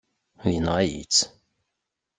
Yenɣa-yi-tt.